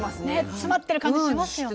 詰まってる感じしますよね。